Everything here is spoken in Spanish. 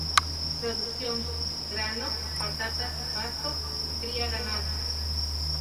Producción: grano, patatas y pastos, cría ganado.